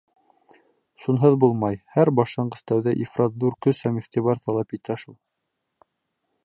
Шунһыҙ булмай, һәр башланғыс тәүҙә ифрат ҙур көс һәм иғтибар талап итә шул.